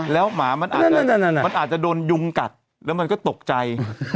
แล้วหมามันอาจจะโดนยุงกัดแล้วมันก็ตกใจ